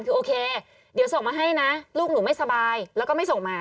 คือโอเคเดี๋ยวส่งมาให้นะลูกหนูไม่สบายแล้วก็ไม่ส่งมา